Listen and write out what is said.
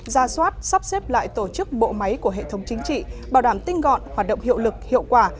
ra soát sắp xếp lại tổ chức bộ máy của hệ thống chính trị bảo đảm tinh gọn hoạt động hiệu lực hiệu quả